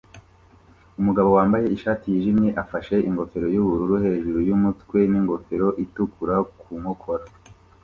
Umugabo wambaye ishati yijimye afashe ingofero yubururu hejuru yumutwe n'ingofero itukura ku nkokora